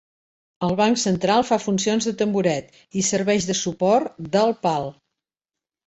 El banc central fa funcions de tamboret i serveix de suport del pal.